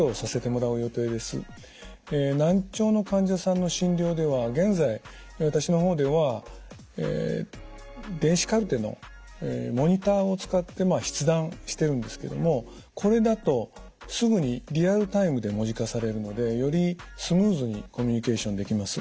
難聴の患者さんの診療では現在私の方では電子カルテのモニターを使って筆談してるんですけどもこれだとすぐにリアルタイムで文字化されるのでよりスムーズにコミュニケーションできます。